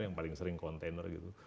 yang paling sering kontainer gitu